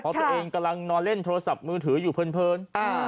เพราะตัวเองกำลังนอนเล่นโทรศัพท์มือถืออยู่เพลิน